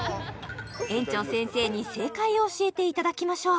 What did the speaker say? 園長先生に正解を教えていただきましょう